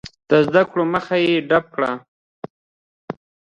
د زده کړو مخه یې ډپ کړه.